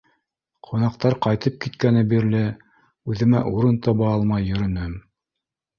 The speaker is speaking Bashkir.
Ҡунаҡтар ҡайтып киткәне бирле үҙемә урын таба алмай йөрөнөм.